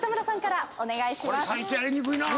これ最初やりにくいなぁ。